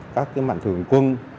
các mạnh thường quân